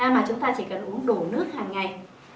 mà chúng ta chỉ cần uống đủ nước hàng ngày